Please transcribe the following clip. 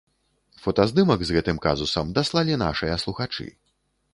Фотаздымак з гэтым казусам даслалі нашыя слухачы.